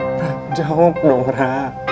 rara jawab dong rara